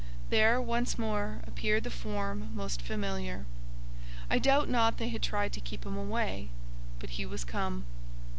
There, once more appeared the form most familiar. I doubt not they had tried to keep him away, but he was come.